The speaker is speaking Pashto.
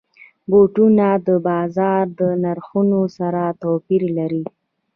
بوټونه د بازار د نرخونو سره توپیر لري.